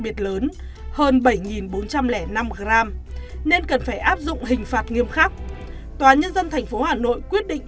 biệt lớn hơn bảy bốn trăm linh năm gram nên cần phải áp dụng hình phạt nghiêm khắc tòa nhân dân tp hà nội quyết định